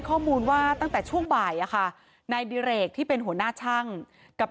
ข้อมูลว่าตั้งแต่ช่วงบ่ายอะค่ะนายดิเรกที่เป็นหัวหน้าช่างกับ